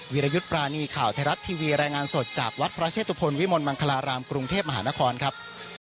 วิรยุทธ์ปรานีข่าวไทยรัฐทีวีรายงานสดจากวัดพระเชตุพลวิมลมังคลารามกรุงเทพมหานครครับ